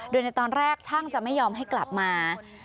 โดยในตอนแรกช่างจะไม่ยอมให้กลับมา